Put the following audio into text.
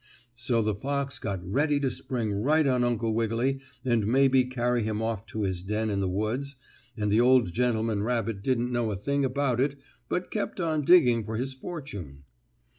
So the fox got ready to spring right on Uncle Wiggily and maybe carry him off to his den in the woods, and the old gentleman rabbit didn't know a thing about it, but kept on digging for his fortune.